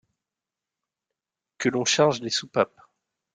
Que l’on charge les soupapes.